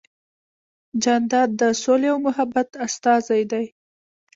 جانداد د سولې او محبت استازی دی.